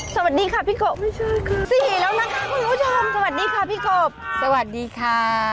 สวัสดีค่ะพี่กบชื่อสี่แล้วนะคะคุณผู้ชมสวัสดีค่ะพี่กบสวัสดีค่ะ